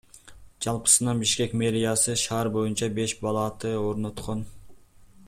Жалпысынан Бишкек мэриясы шаар боюнча беш балаты орноткон.